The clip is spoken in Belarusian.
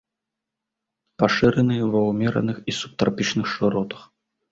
Пашыраны ва ўмераных і субтрапічных шыротах.